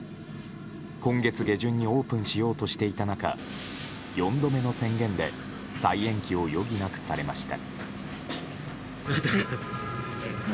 今月下旬にオープンしようとしていた中４度目の宣言で再延期を余儀なくされました。